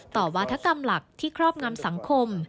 วาธกรรมหลักที่ครอบงำสังคม